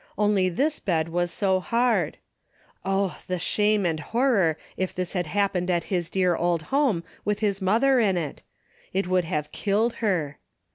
Only this bed was so hard. Oh, the shame and horror if this had happened at his dear old home with his mother in it. It would have killed her.